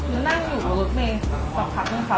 คุณนั่งอยู่บนรถเมงสองพักนึงค่ะ